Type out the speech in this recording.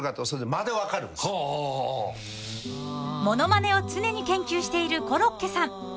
［物まねを常に研究しているコロッケさん］